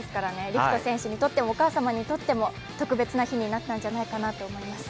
陸斗選手にとってもお母様にとっても特別な日になったんじゃないかと思います。